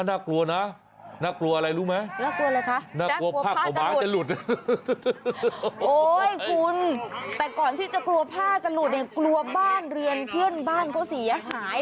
แต่ก่อนที่จะกลัวพ่าจะหลุดเนี่ยกลัวบ้านเรือนเพื่อนบ้านเขาเสียหาย